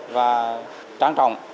và trang trọng